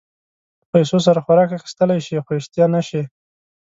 په پیسو سره خوراک اخيستلی شې خو اشتها نه شې.